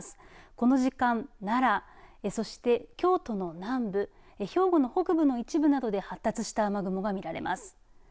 この時間、奈良そして京都の南部、兵庫の北部の一部などで発達した雨雲が見られます。